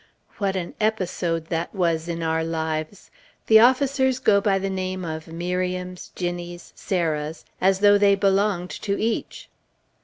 What an episode that was, in our lives! The officers go by the name of Miriam's, Ginnie's, Sarah's, as though they belonged to each!